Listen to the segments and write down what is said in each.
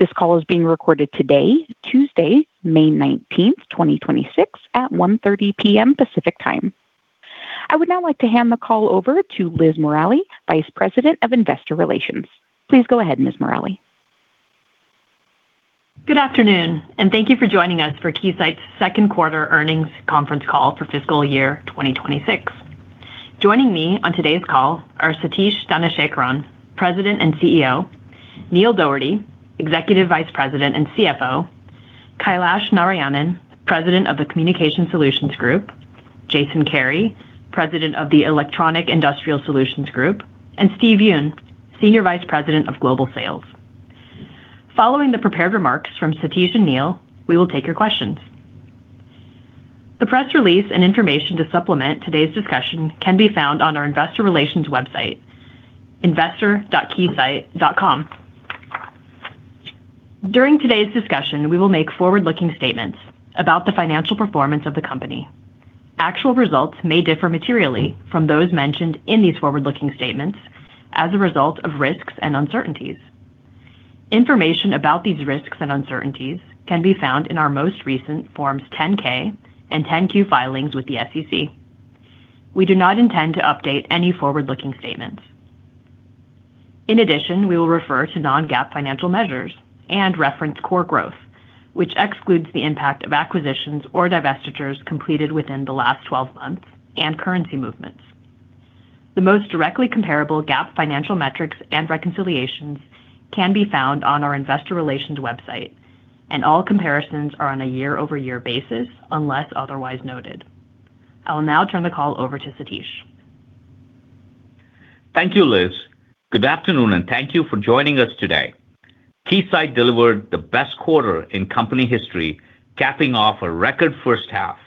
This call is being recorded today, Tuesday, May 19th, 2026, at 1:30 P.M. Pacific Time. I would now like to hand the call over to Liz Morali, Vice President of Investor Relations. Please go ahead, Ms. Morali. Good afternoon, and thank you for joining us for Keysight's second quarter earnings conference call for fiscal year 2026. Joining me on today's call are Satish Dhanasekaran, President and CEO; Neil Dougherty, Executive Vice President and CFO; Kailash Narayanan, President of the Communication Solutions Group; Jason Carey, President of the Electronic Industrial Solutions Group; and Steve Yoon, Senior Vice President of Global Sales. Following the prepared remarks from Satish and Neil, we will take your questions. The press release and information to supplement today's discussion can be found on our investor relations website, investor.keysight.com. During today's discussion, we will make forward-looking statements about the financial performance of the company. Actual results may differ materially from those mentioned in these forward-looking statements as a result of risks and uncertainties. Information about these risks and uncertainties can be found in our most recent Forms 10-K and 10-Q filings with the SEC. We do not intend to update any forward-looking statements. In addition, we will refer to non-GAAP financial measures and reference core growth, which excludes the impact of acquisitions or divestitures completed within the last 12 months and currency movements. The most directly comparable GAAP financial metrics and reconciliations can be found on our Investor Relations website, and all comparisons are on a year-over-year basis unless otherwise noted. I will now turn the call over to Satish. Thank you, Liz. Good afternoon, and thank you for joining us today. Keysight delivered the best quarter in company history, capping off a record first half.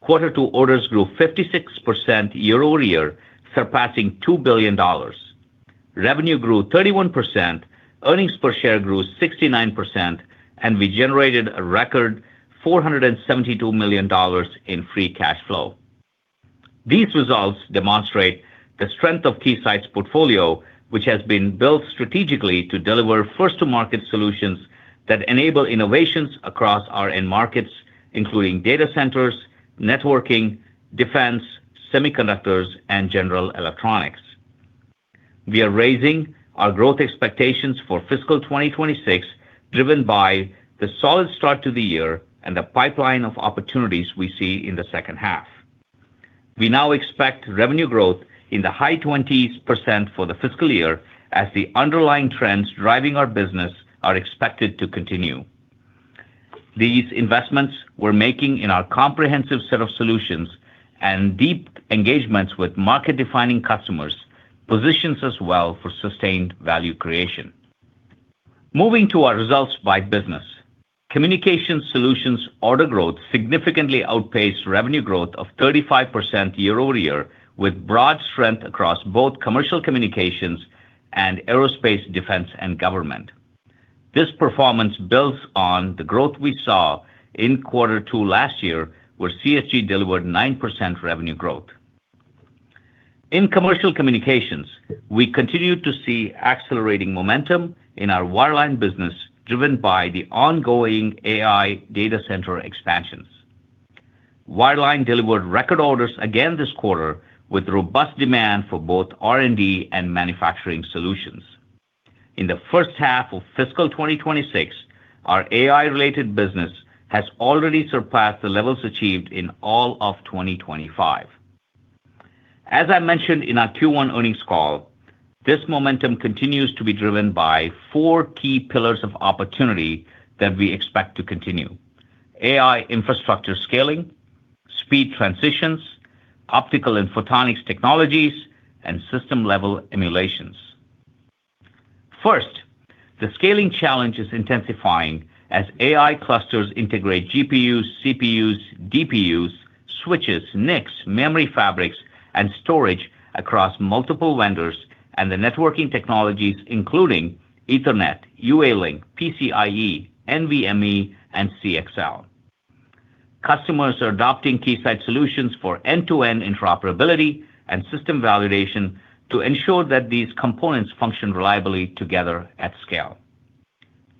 Quarter two orders grew 56% year-over-year, surpassing $2 billion. Revenue grew 31%, earnings per share grew 69%, and we generated a record $472 million in free cash flow. These results demonstrate the strength of Keysight's portfolio, which has been built strategically to deliver first-to-market solutions that enable innovations across our end markets, including data centers, networking, defense, semiconductors, and general electronics. We are raising our growth expectations for fiscal 2026, driven by the solid start to the year and the pipeline of opportunities we see in the second half. We now expect revenue growth in the high 20s% for the fiscal year as the underlying trends driving our business are expected to continue. These investments we're making in our comprehensive set of solutions and deep engagements with market-defining customers positions us well for sustained value creation. Moving to our results by business. Communication Solutions order growth significantly outpaced revenue growth of 35% year-over-year, with broad strength across both commercial communications and aerospace, defense, and government. This performance builds on the growth we saw in quarter two last year, where CSG delivered 9% revenue growth. In commercial communications, we continued to see accelerating momentum in our wireline business, driven by the ongoing AI data center expansions. Wireline delivered record orders again this quarter with robust demand for both R&D and manufacturing solutions. In the first half of fiscal 2026, our AI-related business has already surpassed the levels achieved in all of 2025. As I mentioned in our Q1 earnings call, this momentum continues to be driven by four key pillars of opportunity that we expect to continue: AI infrastructure scaling, speed transitions, optical and photonics technologies, and system-level emulations. First, the scaling challenge is intensifying as AI clusters integrate GPUs, CPUs, DPUs, switches, NICs, memory fabrics, and storage across multiple vendors and the networking technologies including Ethernet, UALink, PCIe, NVMe, and CXL. Customers are adopting Keysight solutions for end-to-end interoperability and system validation to ensure that these components function reliably together at scale.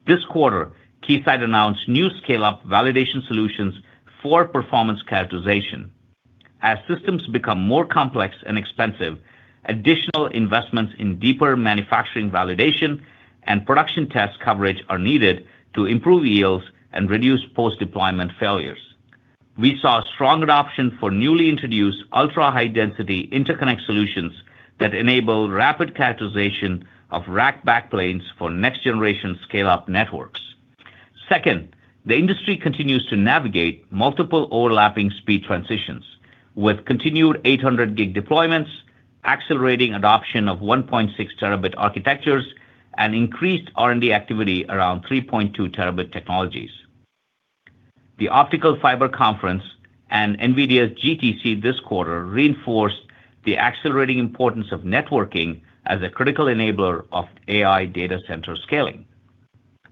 This quarter, Keysight announced new scale-up validation solutions for performance characterization. As systems become more complex and expensive, additional investments in deeper manufacturing validation and production test coverage are needed to improve yields and reduce post-deployment failures. We saw strong adoption for newly introduced ultra-high-density interconnect solutions that enable rapid characterization of rack backplanes for next-generation scale-up networks. Second, the industry continues to navigate multiple overlapping speed transitions, with continued 800 gig deployments, accelerating adoption of 1.6 terabit architectures, and increased R&D activity around 3.2 terabit technologies. The Optical Fiber Conference and NVIDIA's GTC this quarter reinforced the accelerating importance of networking as a critical enabler of AI data center scaling.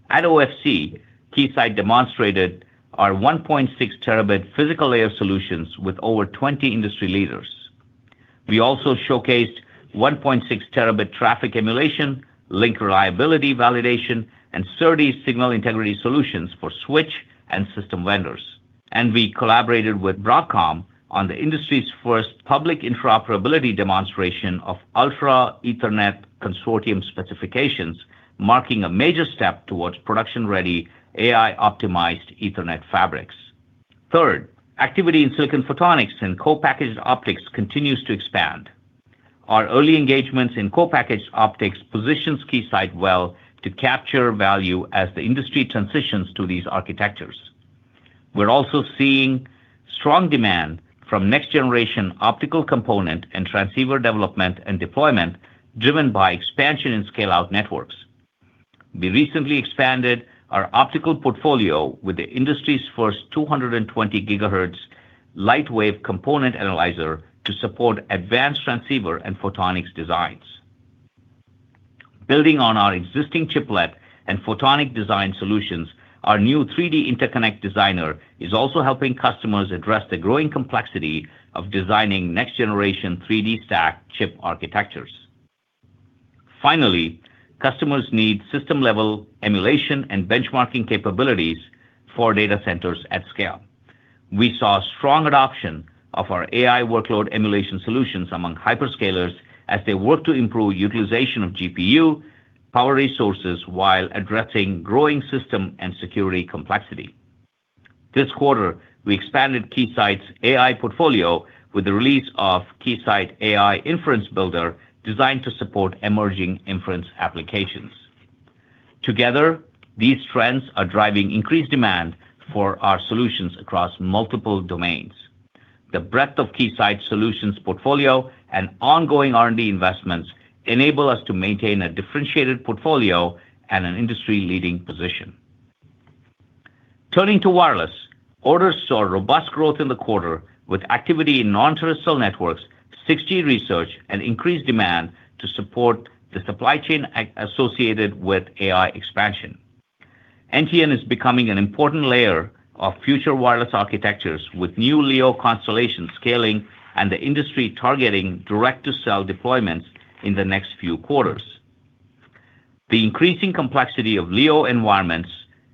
At OFC, Keysight demonstrated our 1.6 terabit physical layer solutions with over 20 industry leaders. We also showcased 1.6 terabit traffic emulation, link reliability validation, and SerDes signal integrity solutions for switch and system vendors. We collaborated with Broadcom on the industry's first public interoperability demonstration of Ultra Ethernet Consortium specifications, marking a major step towards production-ready AI-optimized Ethernet fabrics. Third, activity in silicon photonics and co-packaged optics continues to expand. Our early engagements in co-packaged optics positions Keysight well to capture value as the industry transitions to these architectures. We are also seeing strong demand from next-generation optical component and transceiver development and deployment driven by expansion and scale-out networks. We recently expanded our optical portfolio with the industry's first 220 gigahertz lightwave component analyzer to support advanced transceiver and photonics designs. Building on our existing chiplet and photonic design solutions, our new 3D Interconnect Designer is also helping customers address the growing complexity of designing next-generation 3D stacked chip architectures. Finally, customers need system-level emulation and benchmarking capabilities for data centers at scale. We saw strong adoption of our AI workload emulation solutions among hyperscalers as they work to improve utilization of GPU power resources while addressing growing system and security complexity. This quarter, we expanded Keysight's AI portfolio with the release of Keysight AI Inference Builder, designed to support emerging inference applications. Together, these trends are driving increased demand for our solutions across multiple domains. The breadth of Keysight solutions portfolio and ongoing R&D investments enable us to maintain a differentiated portfolio and an industry-leading position. Turning to wireless, orders saw robust growth in the quarter with activity in non-terrestrial networks, 6G research, and increased demand to support the supply chain associated with AI expansion. NTN is becoming an important layer of future wireless architectures with new LEO constellations scaling and the industry targeting direct-to-cell deployments in the next few quarters. The increasing complexity of LEO environments,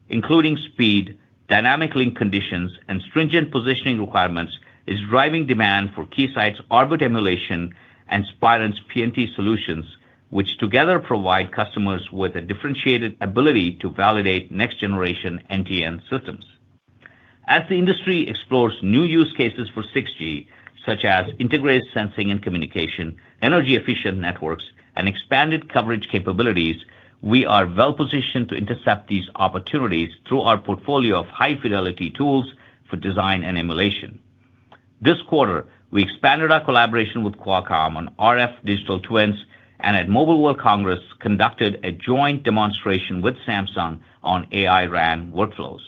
including speed, dynamic link conditions, and stringent positioning requirements, is driving demand for Keysight's orbit emulation and Spirent's PNT solutions, which together provide customers with a differentiated ability to validate next-generation NTN systems. As the industry explores new use cases for 6G, such as integrated sensing and communication, energy-efficient networks, and expanded coverage capabilities, we are well-positioned to intercept these opportunities through our portfolio of high-fidelity tools for design and emulation. This quarter, we expanded our collaboration with Qualcomm on RF digital twins and at Mobile World Congress conducted a joint demonstration with Samsung on AI-RAN workflows.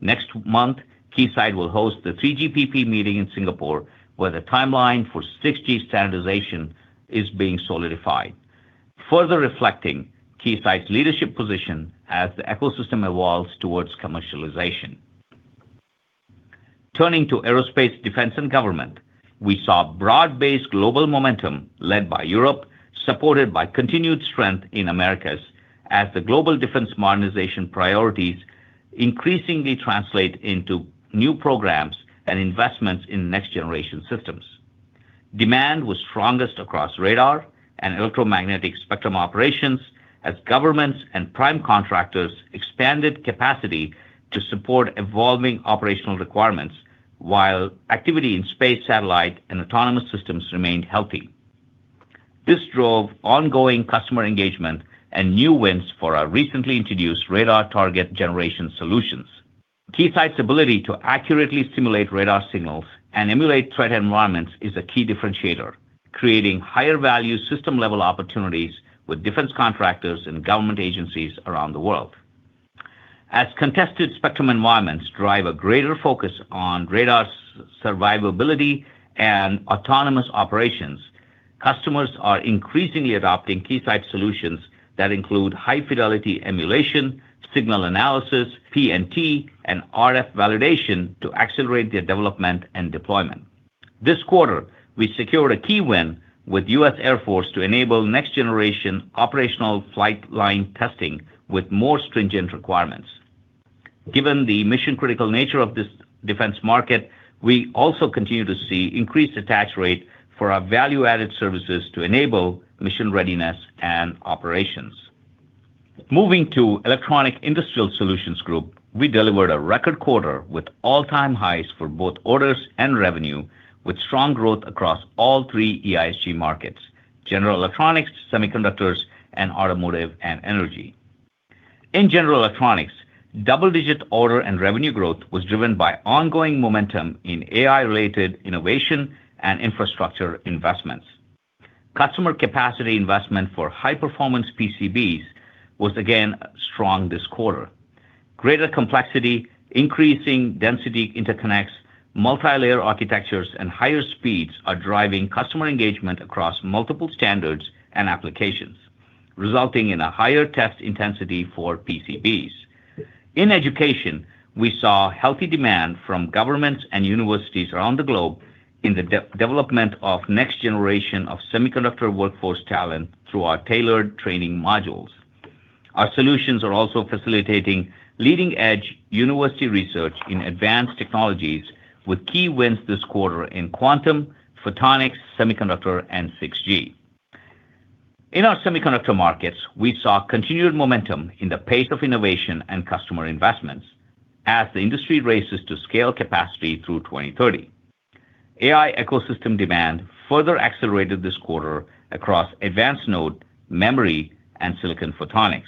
Next month, Keysight will host the 3GPP meeting in Singapore, where the timeline for 6G standardization is being solidified, further reflecting Keysight's leadership position as the ecosystem evolves towards commercialization. Turning to Aerospace, Defense and Government, we saw broad-based global momentum led by Europe, supported by continued strength in Americas as the global defense modernization priorities increasingly translate into new programs and investments in next-generation systems. Demand was strongest across radar and electromagnetic spectrum operations as governments and prime contractors expanded capacity to support evolving operational requirements, while activity in space satellite and autonomous systems remained healthy. This drove ongoing customer engagement and new wins for our recently introduced radar target generation solutions. Keysight's ability to accurately simulate radar signals and emulate threat environments is a key differentiator, creating higher-value system-level opportunities with defense contractors and government agencies around the world. As contested spectrum environments drive a greater focus on radar survivability and autonomous operations, customers are increasingly adopting Keysight solutions that include high-fidelity emulation, signal analysis, PNT, and RF validation to accelerate their development and deployment. This quarter, we secured a key win with US Air Force to enable next-generation operational flight line testing with more stringent requirements. Given the mission-critical nature of this defense market, we also continue to see increased attach rate for our value-added services to enable mission readiness and operations. Moving to Electronic Industrial Solutions Group, we delivered a record quarter with all-time highs for both orders and revenue, with strong growth across all 3 EISG markets, general electronics, semiconductors, and automotive and energy. In general electronics, double-digit order and revenue growth was driven by ongoing momentum in AI-related innovation and infrastructure investments. Customer capacity investment for high-performance PCBs was again strong this quarter. Greater complexity, increasing density interconnects, multilayer architectures, and higher speeds are driving customer engagement across multiple standards and applications, resulting in a higher test intensity for PCBs. In education, we saw healthy demand from governments and universities around the globe in the development of next generation of semiconductor workforce talent through our tailored training modules. Our solutions are also facilitating leading-edge university research in advanced technologies with key wins this quarter in quantum, photonics, semiconductor and 6G. In our semiconductor markets, we saw continued momentum in the pace of innovation and customer investments as the industry races to scale capacity through 2030. AI ecosystem demand further accelerated this quarter across advanced node memory and silicon photonics.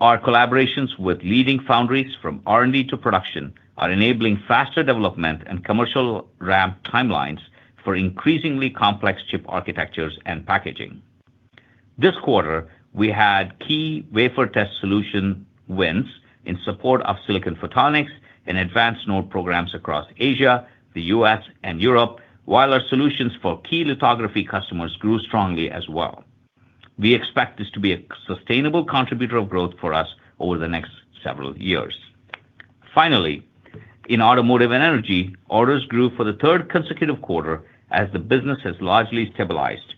Our collaborations with leading foundries from R&D to production are enabling faster development and commercial ramp timelines for increasingly complex chip architectures and packaging. This quarter, we had key wafer test solution wins in support of silicon photonics and advanced node programs across Asia, the U.S. and Europe, while our solutions for key lithography customers grew strongly as well. We expect this to be a sustainable contributor of growth for us over the next several years. Finally, in automotive and energy, orders grew for the third consecutive quarter as the business has largely stabilized.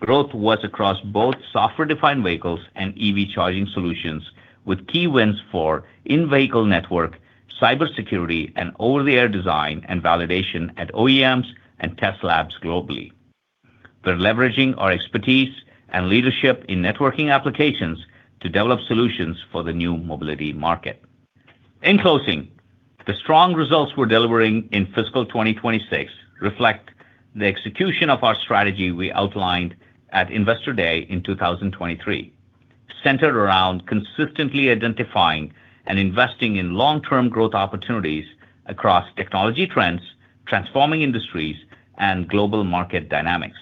Growth was across both software-defined vehicles and EV charging solutions, with key wins for in-vehicle network, cybersecurity and over-the-air design and validation at OEMs and test labs globally. They're leveraging our expertise and leadership in networking applications to develop solutions for the new mobility market. In closing, the strong results we're delivering in fiscal 2026 reflect the execution of our strategy we outlined at Investor Day in 2023, centered around consistently identifying and investing in long-term growth opportunities across technology trends, transforming industries and global market dynamics.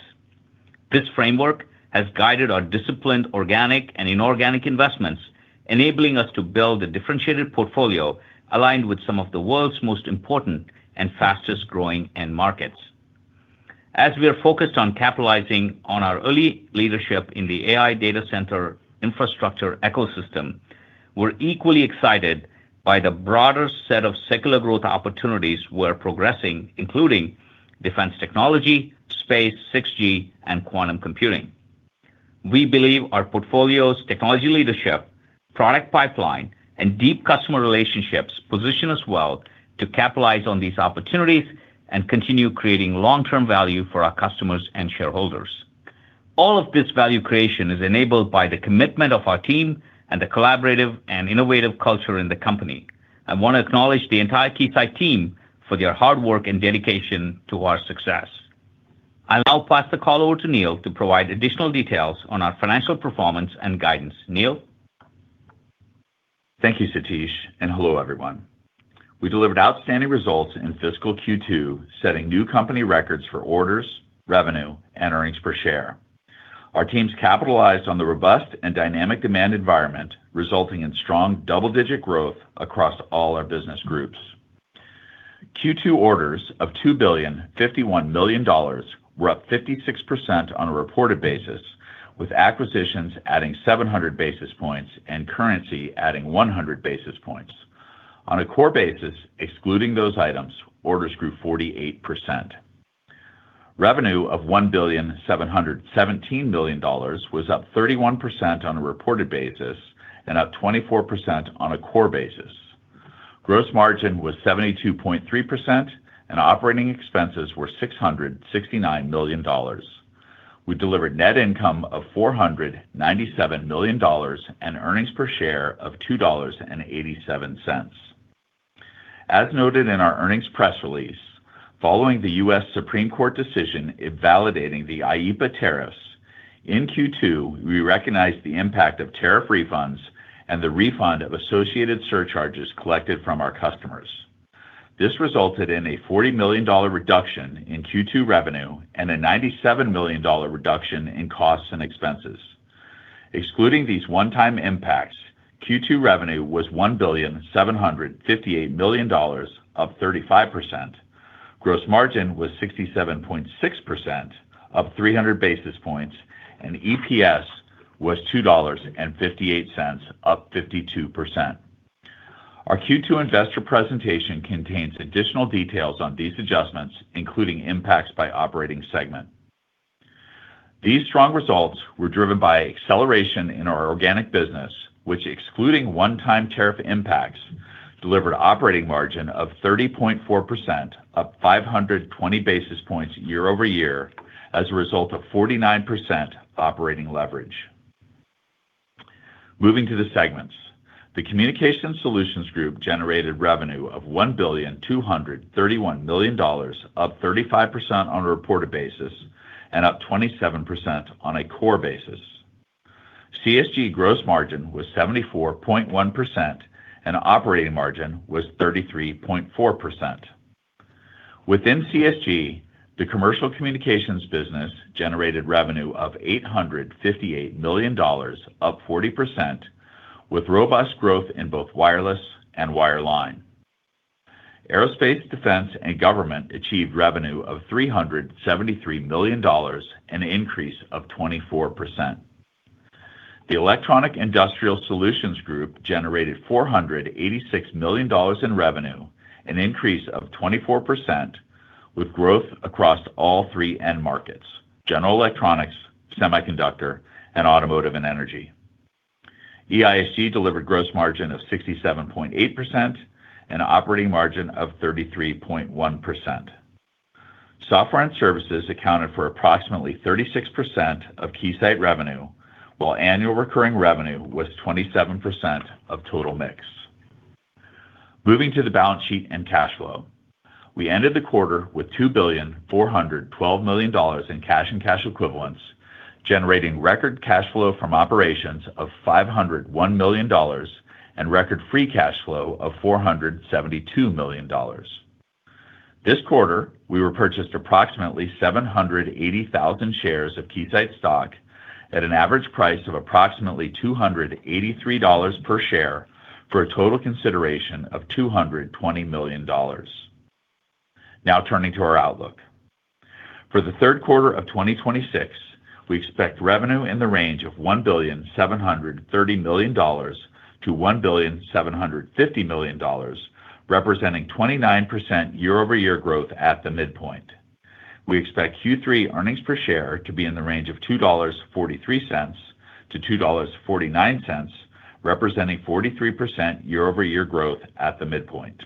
This framework has guided our disciplined organic and inorganic investments, enabling us to build a differentiated portfolio aligned with some of the world's most important and fastest-growing end markets. As we are focused on capitalizing on our early leadership in the AI data center infrastructure ecosystem, we're equally excited by the broader set of secular growth opportunities we're progressing, including defense technology, space, 6G and quantum computing. We believe our portfolio's technology leadership, product pipeline and deep customer relationships position us well to capitalize on these opportunities and continue creating long-term value for our customers and shareholders. All of this value creation is enabled by the commitment of our team and the collaborative and innovative culture in the company. I want to acknowledge the entire Keysight team for their hard work and dedication to our success. I'll now pass the call over to Neil to provide additional details on our financial performance and guidance. Neil? Thank you, Satish, and hello, everyone. We delivered outstanding results in fiscal Q2, setting new company records for orders, revenue and earnings per share. Our teams capitalized on the robust and dynamic demand environment, resulting in strong double-digit growth across all our business groups. Q2 orders of $2 billion 51 million were up 56% on a reported basis, with acquisitions adding 700 basis points and currency adding 100 basis points. On a core basis, excluding those items, orders grew 48%. Revenue of $1 billion 717 million was up 31% on a reported basis and up 24% on a core basis. Gross margin was 72.3% and operating expenses were $669 million. We delivered net income of $497 million and earnings per share of $2.87. As noted in our earnings press release, following the U.S. Supreme Court decision invalidating the IEEPA tariffs, in Q2 we recognized the impact of tariff refunds and the refund of associated surcharges collected from our customers. This resulted in a $40 million reduction in Q2 revenue and a $97 million reduction in costs and expenses. Excluding these one-time impacts, Q2 revenue was $1,758 million, up 35%. Gross margin was 67.6%, up 300 basis points, and EPS was $2.58, up 52%. Our Q2 investor presentation contains additional details on these adjustments, including impacts by operating segment. These strong results were driven by acceleration in our organic business, which excluding one-time tariff impacts, delivered operating margin of 30.4%, up 520 basis points year-over-year as a result of 49% operating leverage. Moving to the segments, the Communication Solutions Group generated revenue of $1.231 billion, up 35% on a reported basis and up 27% on a core basis. CSG gross margin was 74.1% and operating margin was 33.4%. Within CSG, the commercial communications business generated revenue of $858 million, up 40%, with robust growth in both wireless and wireline. Aerospace, defense, and government achieved revenue of $373 million, an increase of 24%. The Electronic Industrial Solutions Group generated $486 million in revenue, an increase of 24% with growth across all three end markets: general electronics, semiconductor, and automotive and energy. EISG delivered gross margin of 67.8% and operating margin of 33.1%. Software and services accounted for approximately 36% of Keysight revenue, while annual recurring revenue was 27% of total mix. Moving to the balance sheet and cash flow. We ended the quarter with $2,412 million in cash and cash equivalents, generating record cash flow from operations of $501 million and record free cash flow of $472 million. This quarter, we repurchased approximately 780,000 shares of Keysight stock at an average price of approximately $283 per share for a total consideration of $220 million. Turning to our outlook. For the third quarter of 2026, we expect revenue in the range of $1.73 billion-$1.75 billion, representing 29% year-over-year growth at the midpoint. We expect Q3 earnings per share to be in the range of $2.43-$2.49, representing 43% year-over-year growth at the midpoint.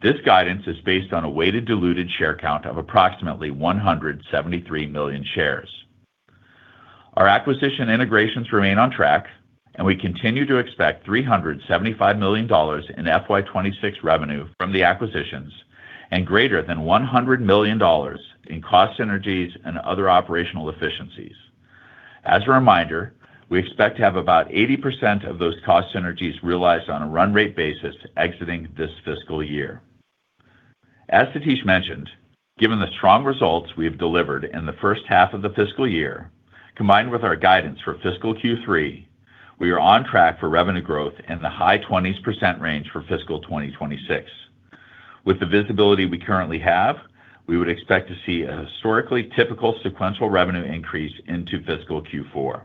This guidance is based on a weighted diluted share count of approximately 173 million shares. Our acquisition integrations remain on track, and we continue to expect $375 million in FY 2026 revenue from the acquisitions and greater than $100 million in cost synergies and other operational efficiencies. As a reminder, we expect to have about 80% of those cost synergies realized on a run rate basis exiting this fiscal year. As Satish mentioned, given the strong results we have delivered in the first half of the fiscal year, combined with our guidance for fiscal Q3, we are on track for revenue growth in the high 20s% range for fiscal 2026. With the visibility we currently have, we would expect to see a historically typical sequential revenue increase into fiscal Q4.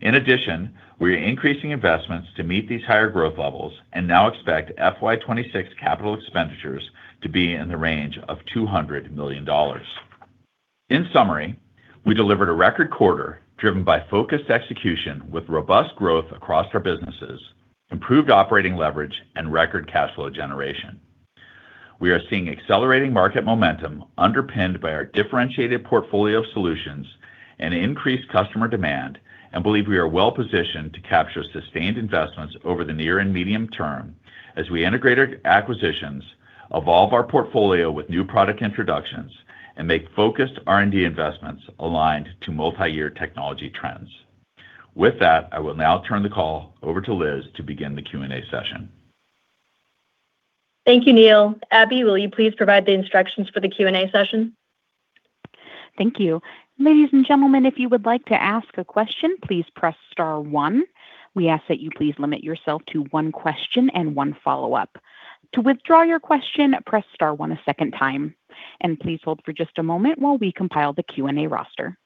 In addition, we are increasing investments to meet these higher growth levels and now expect FY 2026 capital expenditures to be in the range of $200 million. In summary, we delivered a record quarter driven by focused execution with robust growth across our businesses, improved operating leverage, and record cash flow generation. We are seeing accelerating market momentum underpinned by our differentiated portfolio of solutions and increased customer demand, and believe we are well-positioned to capture sustained investments over the near and medium term as we integrate our acquisitions, evolve our portfolio with new product introductions, and make focused R&D investments aligned to multi-year technology trends. With that, I will now turn the call over to Liz to begin the Q&A session. Thank you, Neil. Abby, will you please provide the instructions for the Q&A session? Thank you. Ladies and gentlemen, if you would like to ask a question, please press star one. We ask that you please limit yourself to one question and one follow-up. To withdraw your question, press star one a second time. Please hold for just a moment while we compile the Q&A roster.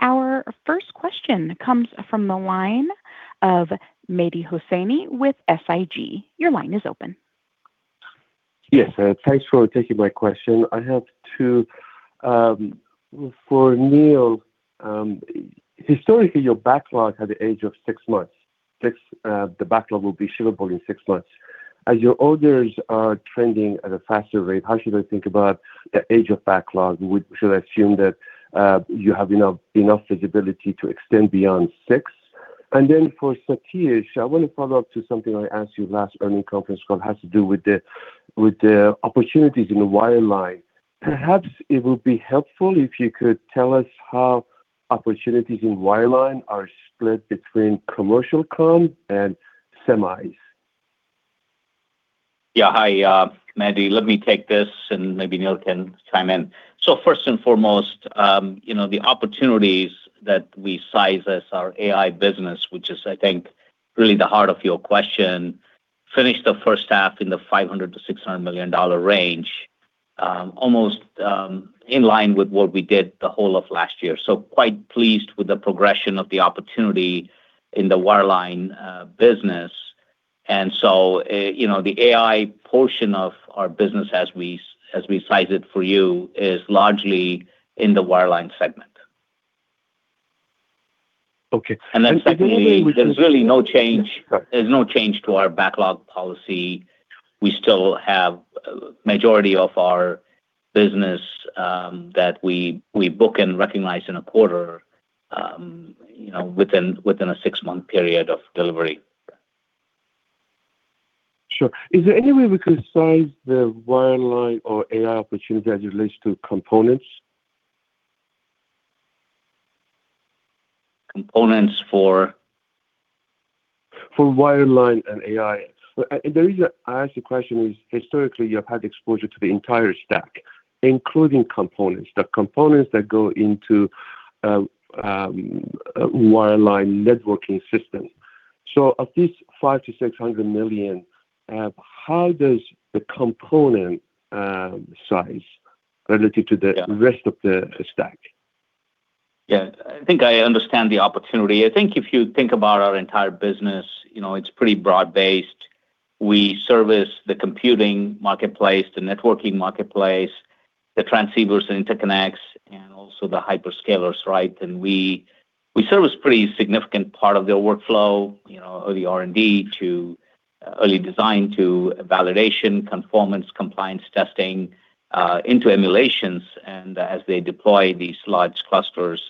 Our first question comes from the line of Mehdi Hosseini with SIG. Your line is open. Yes, thanks for taking my question. I have two for Neil. Historically, your backlog had the age of six months. The backlog will be shippable in six months. As your orders are trending at a faster rate, how should I think about the age of backlog? Should I assume that you have enough visibility to extend beyond six? For Satish, I want to follow up to something I asked you last earning conference call. It has to do with the opportunities in the wireline. Perhaps it would be helpful if you could tell us how opportunities in wireline are split between commercial comms and semis. Yeah. Hi, Mehdi. Let me take this, and maybe Neil can chime in. First and foremost, you know, the opportunities that we size as our AI business, which is I think really the heart of your question, finished the first half in the $500 million-$600 million range, almost in line with what we did the whole of last year. Quite pleased with the progression of the opportunity in the wireline business. You know, the AI portion of our business as we size it for you, is largely in the wireline segment. Okay. Secondly, there's really no change. Yeah, sorry. There's no change to our backlog policy. We still have a majority of our business, that we book and recognize in a quarter, you know, within a six month period of delivery. Sure. Is there any way we can size the wireline or AI opportunity as it relates to components? Components for? For wireline and AI. Well, the reason I ask the question is, historically, you have had exposure to the entire stack, including components. The components that go into wireline networking system. Of this $5 - $600 million, how does the component size relative to the? Yeah rest of the stack? I think I understand the opportunity. I think if you think about our entire business, you know, it's pretty broad-based. We service the computing marketplace, the networking marketplace, the transceivers and interconnects, and also the hyperscalers, right? We service pretty significant part of their workflow, you know, early R&D to early design to validation, conformance, compliance testing, into emulations and as they deploy these large clusters.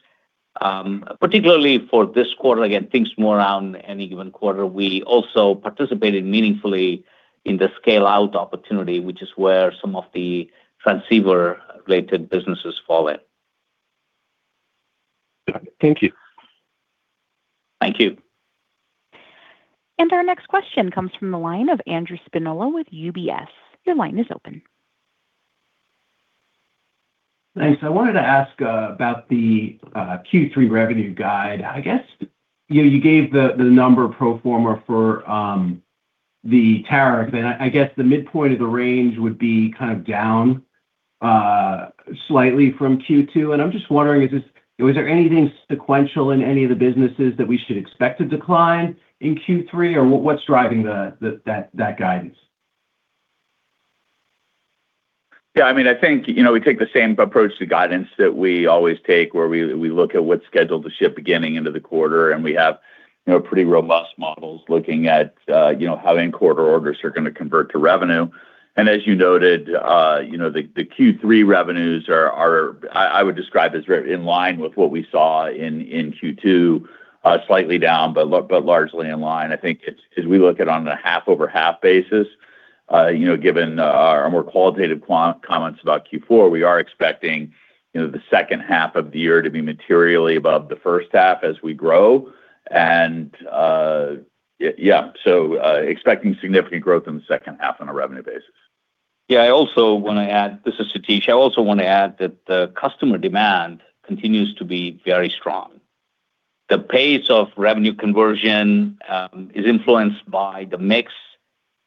Particularly for this quarter, again, things more around any given quarter, we also participated meaningfully in the scale-out opportunity, which is where some of the transceiver related businesses fall in. Thank you. Thank you. Our next question comes from the line of Andrew Spinola with UBS. Your line is open. Thanks. I wanted to ask about the Q3 revenue guide. I guess, you know, you gave the number pro forma for the tariff, and I guess the midpoint of the range would be kind of down slightly from Q2. I'm just wondering, was there anything sequential in any of the businesses that we should expect to decline in Q3, or what's driving that guidance? Yeah, I mean, I think, you know, we take the same approach to guidance that we always take, where we look at what's scheduled to ship beginning into the quarter, and we have, you know, pretty robust models looking at, you know, how in-quarter orders are gonna convert to revenue. As you noted, you know, the Q3 revenues are I would describe as in line with what we saw in Q2, slightly down, but largely in line. I think it's, as we look at on a half-over-half basis, you know, given our more qualitative comments about Q4, we are expecting, you know, the second half of the year to be materially above the first half as we grow. Yeah, expecting significant growth in the second half on a revenue basis. Yeah, I also wanna add, this is Satish. I also want to add that the customer demand continues to be very strong. The pace of revenue conversion is influenced by the mix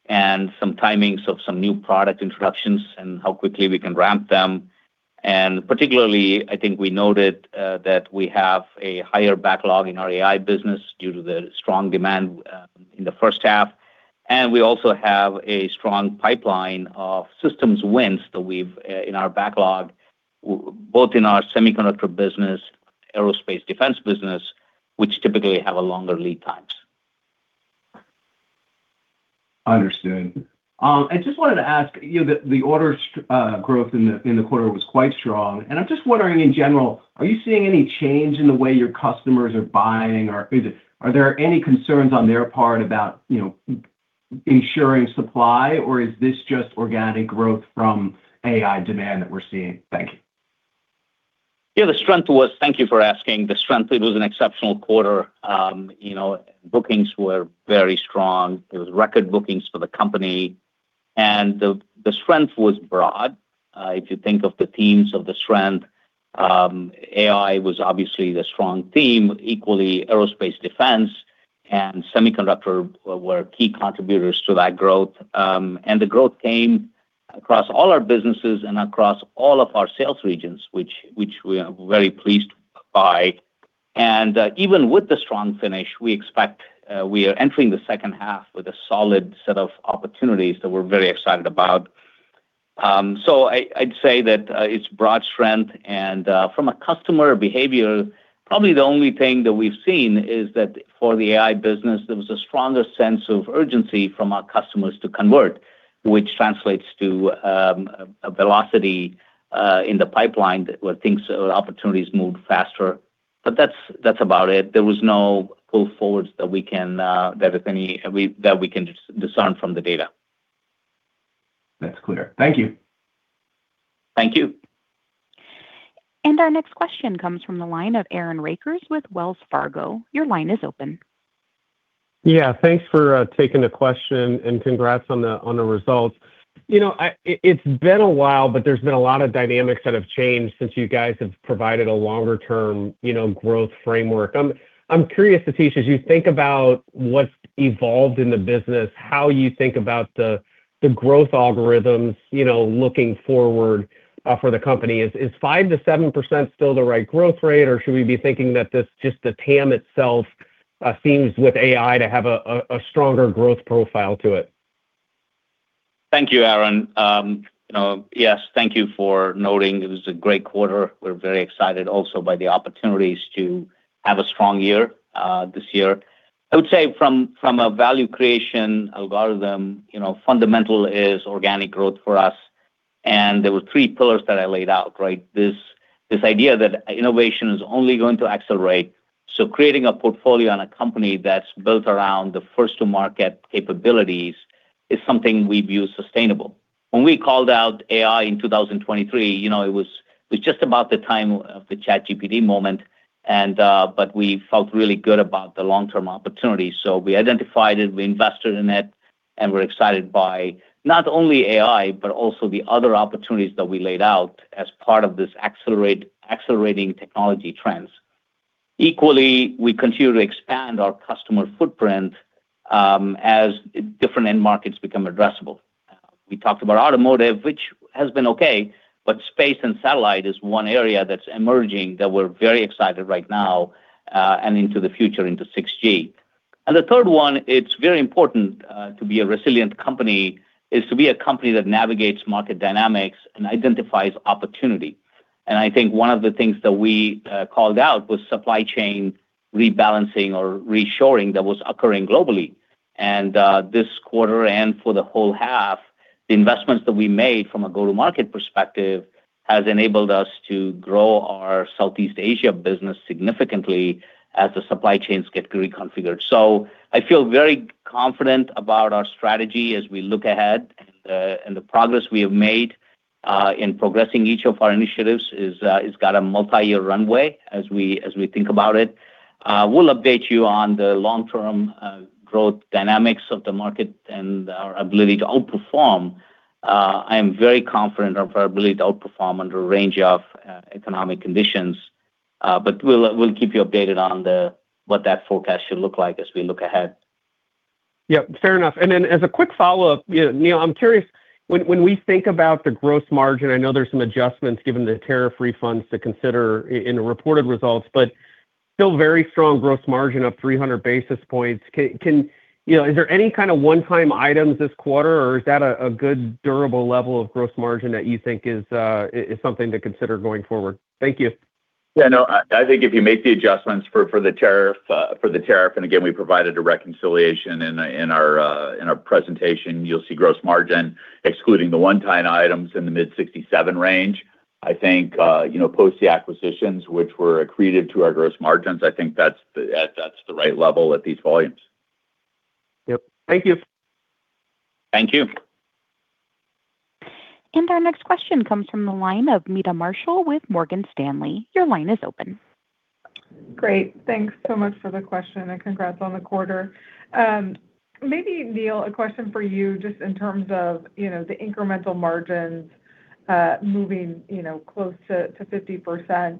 and some timings of some new product introductions and how quickly we can ramp them. Particularly, I think we noted that we have a higher backlog in our AI business due to the strong demand in the first half, and we also have a strong pipeline of systems wins that we've in our backlog, both in our semiconductor business, aerospace defense business, which typically have a longer lead times. Understood. I just wanted to ask, you know, the orders growth in the quarter was quite strong. I'm just wondering in general, are you seeing any change in the way your customers are buying, or are there any concerns on their part about, you know, ensuring supply, or is this just organic growth from AI demand that we're seeing? Thank you. Thank you for asking. The strength, it was an exceptional quarter. you know, bookings were very strong. It was record bookings for the company, and the strength was broad. If you think of the themes of the strength, AI was obviously the strong theme. Equally, aerospace defense and semiconductor were key contributors to that growth. The growth came across all our businesses and across all of our sales regions, which we are very pleased by. Even with the strong finish, we expect we are entering the second half with a solid set of opportunities that we're very excited about. I'd say that it's broad strength. From a customer behavior, probably the only thing that we've seen is that for the AI business, there was a stronger sense of urgency from our customers to convert, which translates to a velocity in the pipeline where things or opportunities moved faster, but that's about it. There was no pull forwards that we can, that if any, we can discern from the data. That's clear. Thank you. Thank you. Our next question comes from the line of Aaron Rakers with Wells Fargo. Your line is open. Thanks for taking the question, and congrats on the results. You know, it's been a while, but there's been a lot of dynamics that have changed since you guys have provided a longer term, you know, growth framework. I'm curious, Satish, as you think about what's evolved in the business, how you think about the growth algorithms, you know, looking forward for the company. Is 5%-7% still the right growth rate, or should we be thinking that this, just the TAM itself, seems with AI to have a stronger growth profile to it? Thank you, Aaron. You know, yes, thank you for noting it was a great quarter. We're very excited also by the opportunities to have a strong year this year. I would say from a value creation algorithm, you know, fundamental is organic growth for us. There were three pillars that I laid out, right? This idea that innovation is only going to accelerate, creating a portfolio and a company that's built around the first to market capabilities is something we view sustainable. When we called out AI in 2023, you know, it was just about the time of the ChatGPT moment. We felt really good about the long-term opportunity. We identified it, we invested in it. We're excited by not only AI, but also the other opportunities that we laid out as part of this accelerating technology trends. Equally, we continue to expand our customer footprint, as different end markets become addressable. We talked about automotive, which has been okay, but space and satellite is one area that's emerging that we're very excited right now, and into the future into 6G. The third one, it's very important, to be a resilient company, is to be a company that navigates market dynamics and identifies opportunity. I think one of the things that we called out was supply chain rebalancing or reshoring that was occurring globally. This quarter and for the whole half, the investments that we made from a go-to-market perspective has enabled us to grow our Southeast Asia business significantly as the supply chains get reconfigured. I feel very confident about our strategy as we look ahead, and the progress we have made in progressing each of our initiatives has got a multi-year runway as we think about it. We'll update you on the long-term growth dynamics of the market and our ability to outperform. I am very confident of our ability to outperform under a range of economic conditions. We'll keep you updated on what that forecast should look like as we look ahead. Fair enough. As a quick follow-up, you know, Neil, I'm curious, when we think about the gross margin, I know there's some adjustments given the tariff refunds to consider in the reported results, but still very strong gross margin of 300 basis points. You know, is there any kind of one-time items this quarter, or is that a good durable level of gross margin that you think is something to consider going forward? Thank you. Yeah, no, I think if you make the adjustments for the tariff, and again, we provided a reconciliation in our presentation, you'll see gross margin excluding the one-time items in the mid-67% range. I think, you know, post the acquisitions which were accreted to our gross margins, I think that's the right level at these volumes. Yep. Thank you. Thank you. Our next question comes from the line of Meta Marshall with Morgan Stanley. Your line is open. Great. Thanks so much for the question. Congrats on the quarter. Maybe, Neil, a question for you just in terms of, you know, the incremental margins, moving, you know, close to 50%.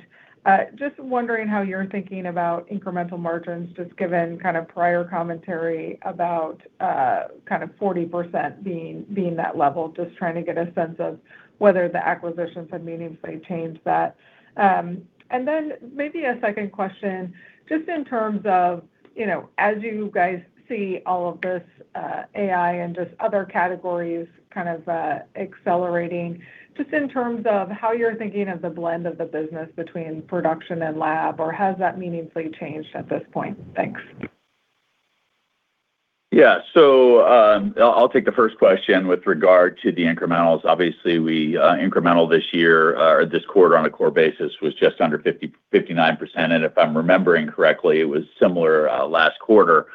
Just wondering how you're thinking about incremental margins, just given kind of prior commentary about, kind of 40% being that level. Just trying to get a sense of whether the acquisitions have meaningfully changed that. Then maybe a second question, just in terms of, you know, as you guys see all of this AI and just other categories kind of, accelerating, just in terms of how you're thinking of the blend of the business between production and lab, or has that meaningfully changed at this point? Thanks. I'll take the first question with regard to the incrementals. Obviously, we incremental this year, this quarter on a core basis was just under 59%, and if I'm remembering correctly, it was similar last quarter.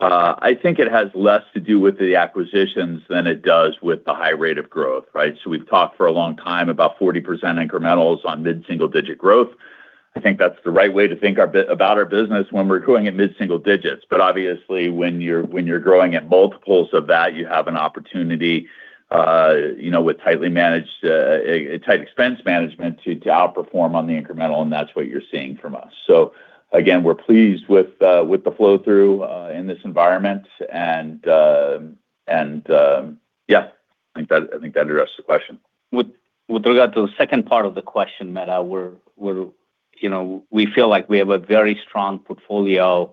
I think it has less to do with the acquisitions than it does with the high rate of growth, right? We've talked for a long time about 40% incrementals on mid-single-digit growth. I think that's the right way to think about our business when we're growing at mid-single digits. Obviously, when you're growing at multiples of that, you have an opportunity, you know, with tightly managed tight expense management to outperform on the incremental, and that's what you're seeing from us. Again, we're pleased with the flow-through in this environment. Yeah, I think that addressed the question. With regard to the second part of the question, Meta, we're, you know, we feel like we have a very strong portfolio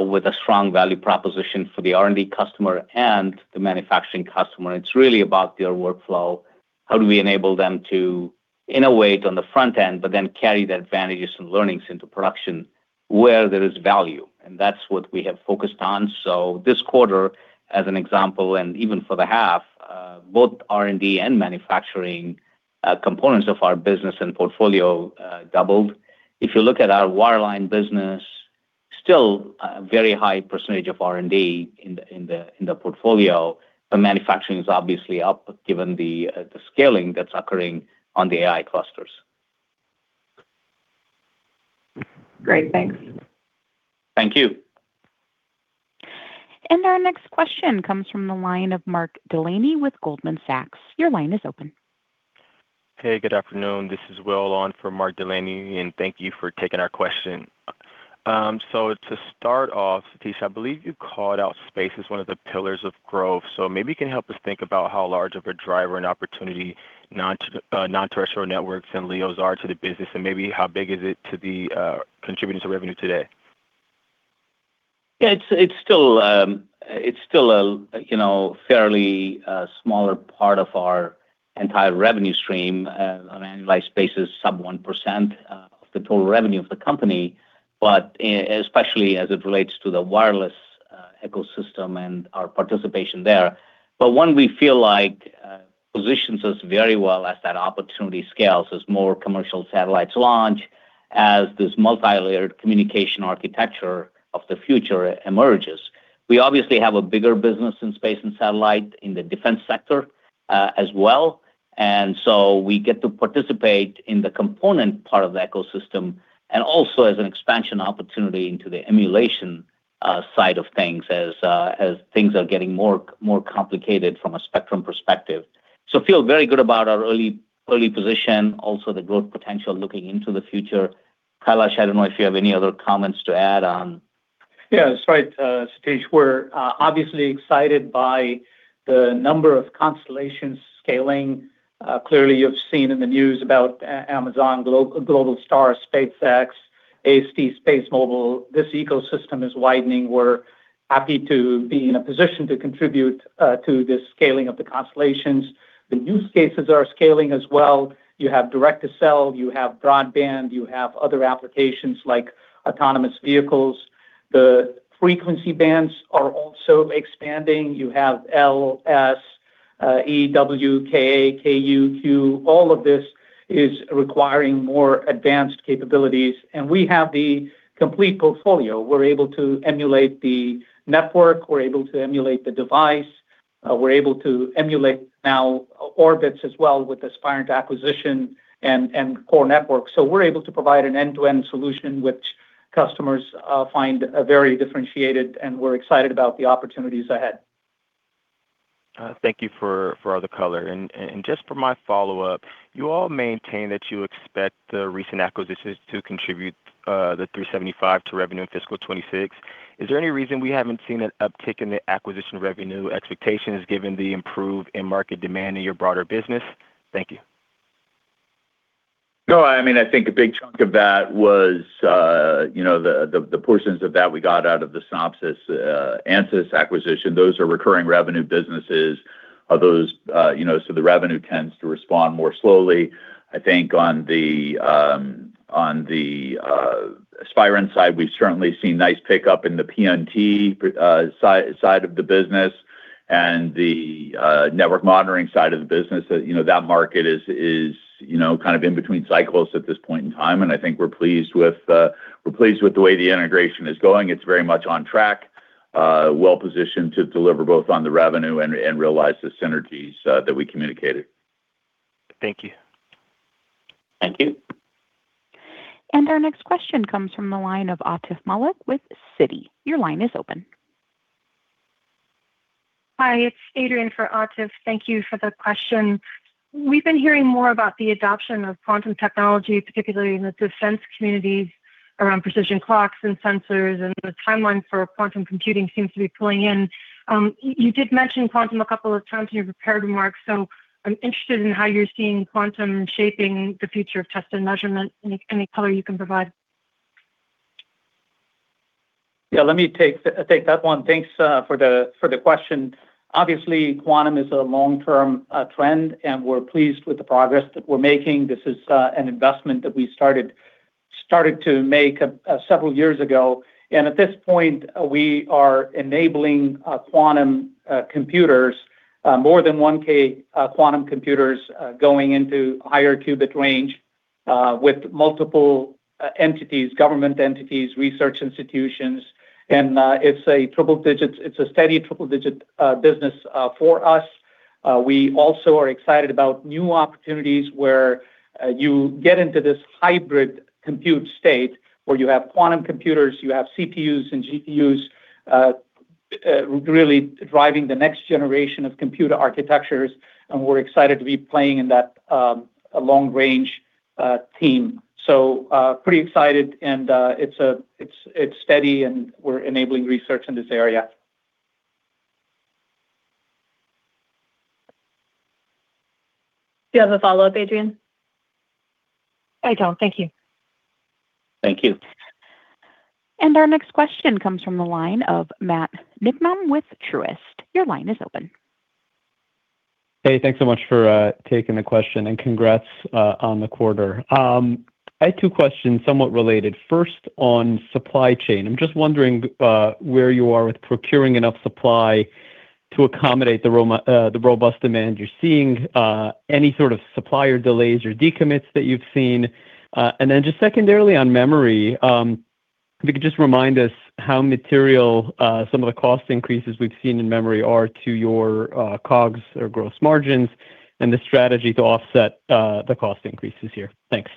with a strong value proposition for the R&D customer and the manufacturing customer. It's really about their workflow, how do we enable them to innovate on the front end, but then carry the advantages and learnings into production where there is value? That's what we have focused on. This quarter, as an example, and even for the half, both R&D and manufacturing components of our business and portfolio doubled. If you look at our wireline business, still a very high percentage of R&D in the portfolio, but manufacturing is obviously up given the scaling that's occurring on the AI clusters. Great. Thanks. Thank you. Our next question comes from the line of Mark Delaney with Goldman Sachs. Your line is open. Hey, good afternoon. This is Will on for Mark Delaney, and thank you for taking our question. To start off, Satish, I believe you called out space as one of the pillars of growth. Maybe you can help us think about how large of a driver and opportunity non-terrestrial networks and LEOs are to the business, and maybe how big is it to the contributors of revenue today? Yeah, it's still, it's still a, you know, fairly smaller part of our entire revenue stream. I mean, like space is sub 1% of the total revenue of the company, but especially as it relates to the wireless ecosystem and our participation there. One we feel like positions us very well as that opportunity scales, as more commercial satellites launch, as this multilayered communication architecture of the future emerges. We obviously have a bigger business in space and satellite in the defense sector as well. We get to participate in the component part of the ecosystem and also as an expansion opportunity into the emulation side of things as things are getting more, more complicated from a spectrum perspective. Feel very good about our early position, also the growth potential looking into the future. Kailash, I don't know if you have any other comments to add on. Yeah, that's right, Satish. We're obviously excited by the number of constellations scaling. Clearly, you've seen in the news about Amazon, Globalstar, SpaceX, AST SpaceMobile. This ecosystem is widening. We're happy to be in a position to contribute to the scaling of the constellations. The use cases are scaling as well. You have direct-to-cell, you have broadband, you have other applications like autonomous vehicles. The frequency bands are also expanding. You have L, S, E, W, Ka, Ku, Q. All of this is requiring more advanced capabilities. We have the complete portfolio. We're able to emulate the network. We're able to emulate the device. We're able to emulate now orbits as well with the Spirent acquisition and core networks. We're able to provide an end-to-end solution which customers find very differentiated, and we're excited about the opportunities ahead. Thank you for all the color. Just for my follow-up, you all maintain that you expect the recent acquisitions to contribute $375 to revenue in fiscal 2026. Is there any reason we haven't seen an uptick in the acquisition revenue expectations given the improve in market demand in your broader business? Thank you. No, I mean, I think a big chunk of that was, you know, the portions of that we got out of the Synopsys, Ansys acquisition. Those are recurring revenue businesses. Those, you know, so the revenue tends to respond more slowly. I think on the, on the Spirent side, we've certainly seen nice pickup in the PNT side of the business and the network monitoring side of the business. You know, that market is, you know, kind of in between cycles at this point in time. I think we're pleased with the way the integration is going. It's very much on track, well-positioned to deliver both on the revenue and realize the synergies that we communicated. Thank you. Thank you. Our next question comes from the line of Atif Malik with Citi. Your line is open. Hi, it's Adrian for Atif. Thank you for the question. We've been hearing more about the adoption of quantum technology, particularly in the defense communities around precision clocks and sensors, and the timeline for quantum computing seems to be pulling in. You did mention quantum a couple of times in your prepared remarks, so I'm interested in how you're seeing quantum shaping the future of test and measurement. Any color you can provide? Yeah, let me take that one. Thanks for the question. Obviously, quantum is a long-term trend, we're pleased with the progress that we're making. This is an investment that we started to make several years ago. At this point, we are enabling quantum computers, more than 1K quantum computers, going into higher qubit range with multiple entities, government entities, research institutions. It's a steady triple digit business for us. We also are excited about new opportunities where you get into this hybrid compute state where you have quantum computers, you have CPUs and GPUs, really driving the next generation of computer architectures, we're excited to be playing in that long-range team. Pretty excited, and it's steady, and we're enabling research in this area. Do you have a follow-up, Adrian? I don't. Thank you. Thank you. Our next question comes from the line of Matthew Niknam with Truist. Hey, thanks so much for taking the question, and congrats on the quarter. I had two questions somewhat related. First, on supply chain, I'm just wondering where you are with procuring enough supply to accommodate the robu-- the robust demand you're seeing, any sort of supplier delays or decommits that you've seen. Just secondarily on memory, if you could just remind us how material some of the cost increases we've seen in memory are to your COGS or gross margins and the strategy to offset the cost increases here. Thanks.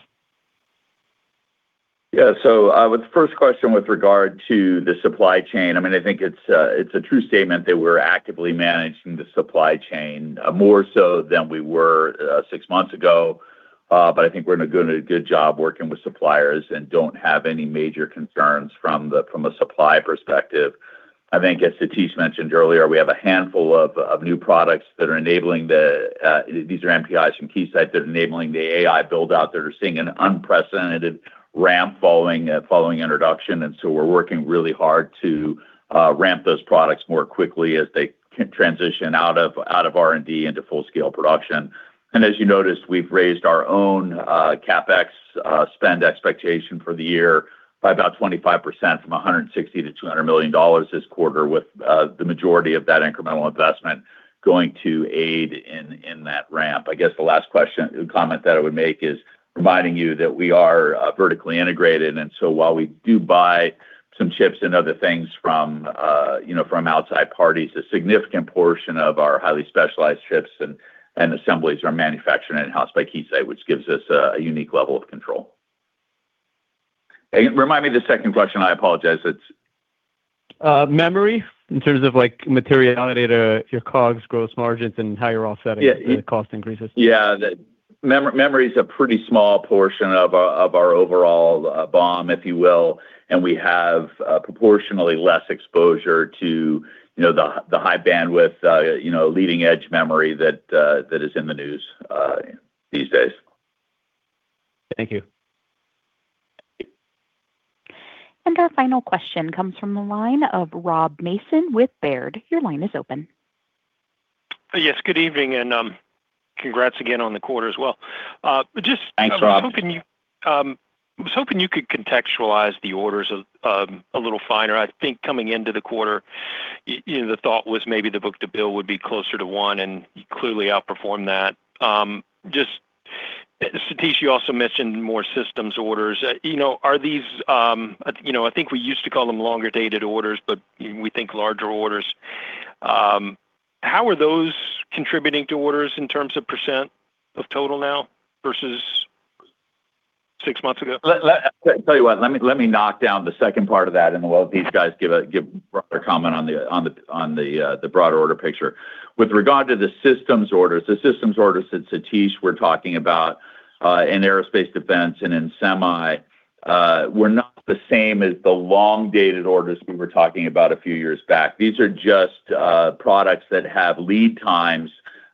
With the first question with regard to the supply chain, I mean, I think it's a true statement that we're actively managing the supply chain more so than we were six months ago. I think we're doing a good job working with suppliers and don't have any major concerns from a supply perspective. I think as Satish mentioned earlier, we have a handful of new products that are enabling, these are NPIs from Keysight that are enabling the AI build-out that are seeing an unprecedented ramp following introduction. We're working really hard to ramp those products more quickly as they transition out of R&D into full scale production. As you noticed, we've raised our own CapEx spend expectation for the year by about 25% from $160 - $200 million this quarter with the majority of that incremental investment going to aid in that ramp. I guess the last comment that I would make is reminding you that we are vertically integrated, so while we do buy some chips and other things from, you know, from outside parties, a significant portion of our highly specialized chips and assemblies are manufactured in-house by Keysight, which gives us a unique level of control. Remind me the second question. I apologize. It's Memory in terms of, like, materiality to your COGS, gross margins, and how you're offsetting. Yeah the cost increases. Yeah. The memory is a pretty small portion of our overall BOM, if you will, and we have proportionally less exposure to, you know, the high bandwidth, you know, leading edge memory that is in the news these days. Thank you. Our final question comes from the line of Rob Mason with Baird. Your line is open. Yes, good evening, and congrats again on the quarter as well. Thanks, Rob. I was hoping you could contextualize the orders a little finer. I think coming into the quarter, you know, the thought was maybe the book-to-bill would be closer to one and you clearly outperformed that. Just, Satish, you also mentioned more systems orders. You know, are these, you know, I think we used to call them longer-dated orders, but we think larger orders. How are those contributing to orders in terms of percentage of total now versus six months ago? I'll tell you what, let me knock down the second part of that, and while these guys give broader comment on the broader order picture. With regard to the systems orders, the systems orders that Satish were talking about in aerospace defense and in semi, were not the same as the long-dated orders we were talking about a few years back. These are just products that have lead times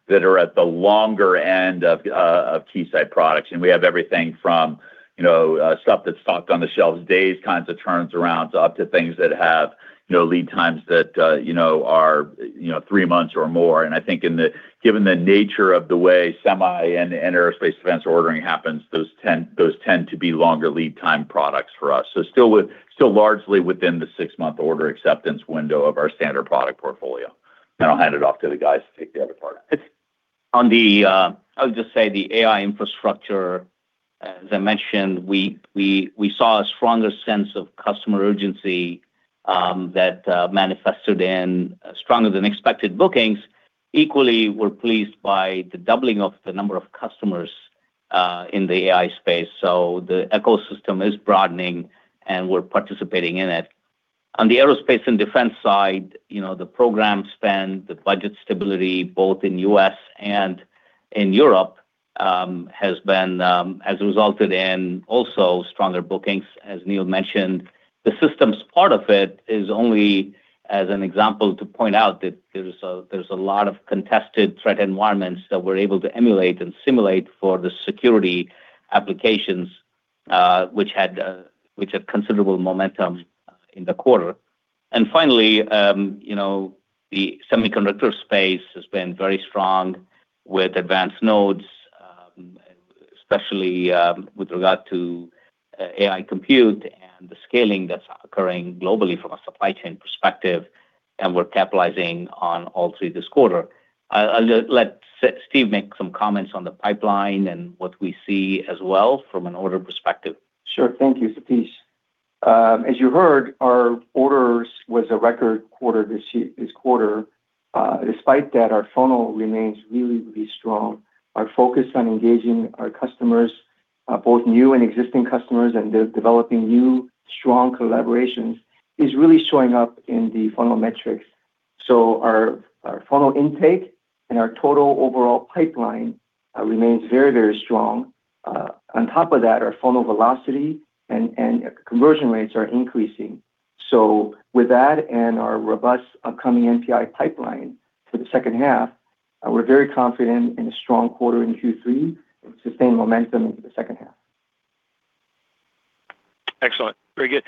that are at the longer end of Keysight products. And we have everything from, you know, stuff that's stocked on the shelves days, kinds of turnarounds, up to things that have, you know, lead times that, you know, are three months or more. I think in the-- given the nature of the way semi and aerospace defense ordering happens, those tend to be longer lead time products for us. Still largely within the six-month order acceptance window of our standard product portfolio. I'll hand it off to the guys to take the other part. On the, I'll just say the AI infrastructure, as I mentioned, we saw a stronger sense of customer urgency that manifested in stronger than expected bookings. Equally, we're pleased by the doubling of the number of customers in the AI space. The ecosystem is broadening, and we're participating in it. On the aerospace and defense side, you know, the program spend, the budget stability, both in U.S. and in Europe, has resulted in also stronger bookings, as Neil mentioned. The systems part of it is only as an example to point out that there's a lot of contested threat environments that we're able to emulate and simulate for the security applications, which had considerable momentum in the quarter. Finally, you know, the semiconductor space has been very strong with advanced nodes, especially with regard to AI compute and the scaling that's occurring globally from a supply chain perspective, and we're capitalizing on all through this quarter. I'll let Steve make some comments on the pipeline and what we see as well from an order perspective. Thank you, Satish. As you heard, our orders was a record quarter this quarter. Despite that, our funnel remains really, really strong. Our focus on engaging our customers, both new and existing customers, and developing new strong collaborations is really showing up in the funnel metrics. Our funnel intake and our total overall pipeline remains very, very strong. On top of that, our funnel velocity and conversion rates are increasing. With that and our robust upcoming NPI pipeline for the second half, we're very confident in a strong quarter in Q3 and sustained momentum into the second half. Excellent. Very good.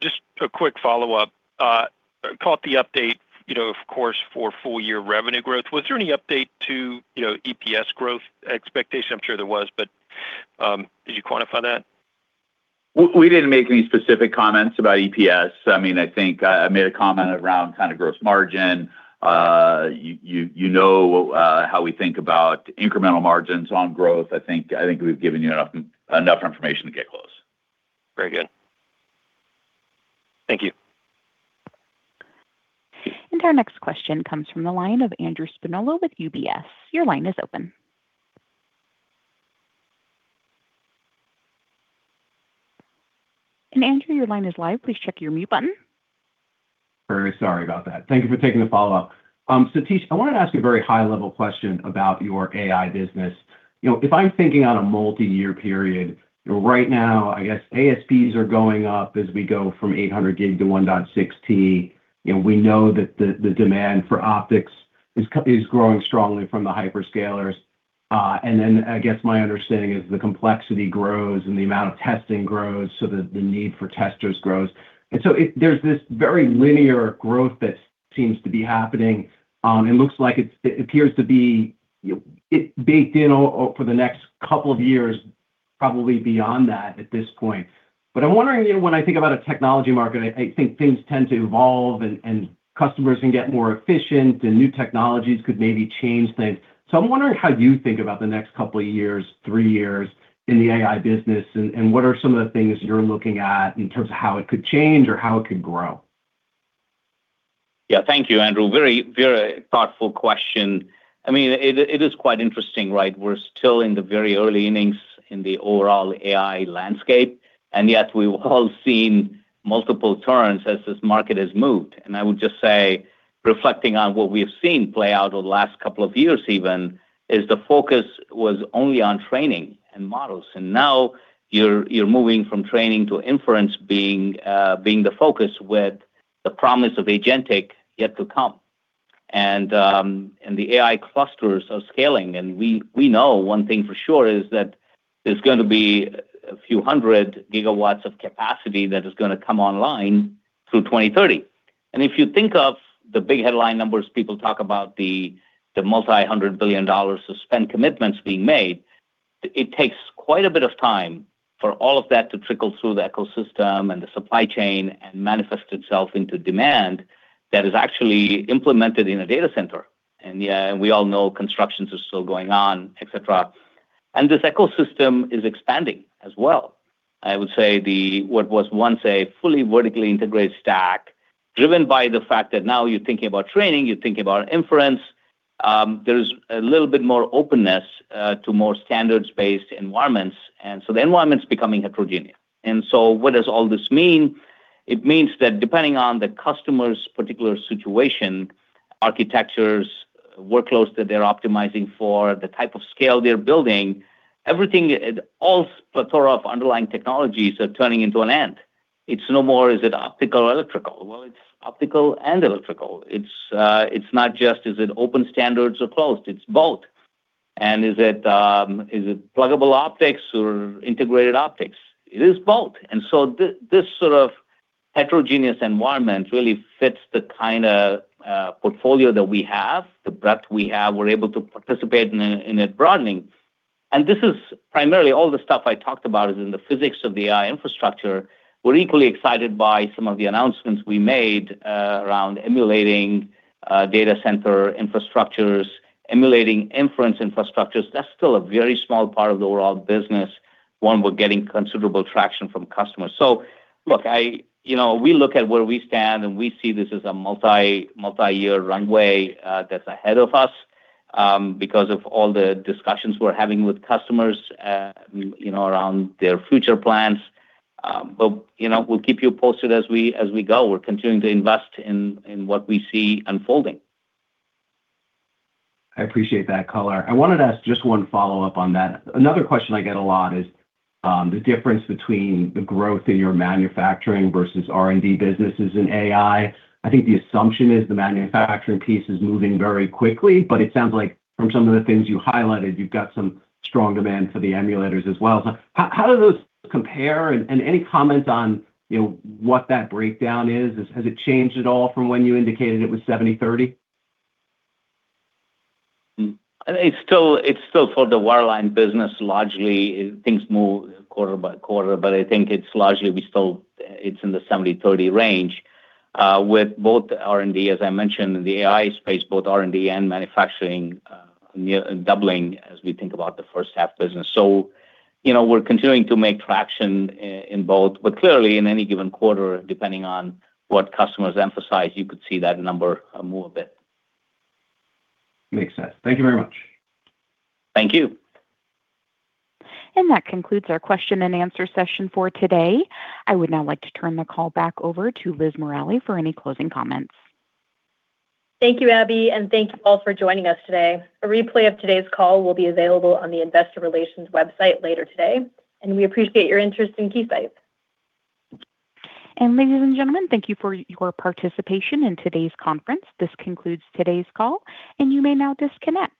Just a quick follow-up. Caught the update, you know, of course, for full-year revenue growth. Was there any update to, you know, EPS growth expectation? I'm sure there was, but, did you quantify that? We didn't make any specific comments about EPS. I mean, I think I made a comment around kind of gross margin. You know how we think about incremental margins on growth. I think we've given you enough information to get close. Very good. Thank you. Our next question comes from the line of Andrew Spinola with UBS. Your line is open. Andrew, your line is live. Please check your mute button. Very sorry about that. Thank you for taking the follow-up. Satish, I wanted to ask you a very high-level question about your AI business. You know, if I'm thinking on a multi-year period, right now, I guess ASPs are going up as we go from 800 gig to 1.60. You know, we know that the demand for optics is growing strongly from the hyperscalers. I guess my understanding is the complexity grows and the amount of testing grows, so the need for testers grows. There's this very linear growth that seems to be happening. It looks like it appears to be, you know, it baked in over the next couple of years, probably beyond that at this point. I'm wondering, you know, when I think about a technology market, I think things tend to evolve and customers can get more efficient, and new technologies could maybe change things. I'm wondering how you think about the next couple of years, three years in the AI business, and what are some of the things you're looking at in terms of how it could change or how it could grow? Thank you, Andrew. Very, very thoughtful question. I mean, it is quite interesting, right? We're still in the very early innings in the overall AI landscape, yet we've all seen multiple turns as this market has moved. I would just say reflecting on what we've seen play out over the last couple of years even, is the focus was only on training and models. Now you're moving from training to inference being the focus with the promise of agentic yet to come. The AI clusters are scaling, and we know one thing for sure is that there's gonna be a few 100GW of capacity that is gonna come online through 2030. If you think of the big headline numbers, people talk about the $multi-hundred billion of spend commitments being made, it takes quite a bit of time for all of that to trickle through the ecosystem and the supply chain and manifest itself into demand that is actually implemented in a data center. We all know constructions are still going on, et cetera. This ecosystem is expanding as well. I would say the what was once a fully vertically integrated stack, driven by the fact that now you're thinking about training, you're thinking about inference, there's a little bit more openness to more standards-based environments. The environment's becoming heterogeneous. What does all this mean? It means that depending on the customer's particular situation, architectures, workloads that they're optimizing for, the type of scale they're building, everything, all plethora of underlying technologies are turning into an end. It's no more is it optical or electrical? Well, it's optical and electrical. It's not just is it open standards or closed? It's both. Is it pluggable optics or integrated optics? It is both. This sort of heterogeneous environment really fits the kinda portfolio that we have, the breadth we have. We're able to participate in it broadening. This is primarily all the stuff I talked about is in the physics of the AI infrastructure. We're equally excited by some of the announcements we made around emulating data center infrastructures, emulating inference infrastructures. That's still a very small part of the overall business, one we're getting considerable traction from customers. Look, you know, we look at where we stand, and we see this as a multi-year runway that's ahead of us because of all the discussions we're having with customers, you know, around their future plans. You know, we'll keep you posted as we, as we go. We're continuing to invest in what we see unfolding. I appreciate that color. I wanted to ask just 1 follow-up on that. Another question I get a lot is the difference between the growth in your manufacturing versus R&D businesses in AI. I think the assumption is the manufacturing piece is moving very quickly, but it sounds like from some of the things you highlighted, you've got some strong demand for the emulators as well. How do those compare? Any comment on, you know, what that breakdown is? Has it changed at all from when you indicated it was 70-30? It's still for the wireline business, largely things move quarter by quarter, but I think it's largely we still, it's in the 70-30 range with both R&D, as I mentioned, in the AI space, both R&D and manufacturing, near doubling as we think about the first half business. You know, we're continuing to make traction in both, but clearly in any given quarter, depending on what customers emphasize, you could see that number move a bit. Makes sense. Thank you very much. Thank you. That concludes our question and answer session for today. I would now like to turn the call back over to Liz Morali for any closing comments. Thank you, Abby, and thank you all for joining us today. A replay of today's call will be available on the investor relations website later today, and we appreciate your interest in Keysight. Ladies and gentlemen, thank you for your participation in today's conference. This concludes today's call, and you may now disconnect.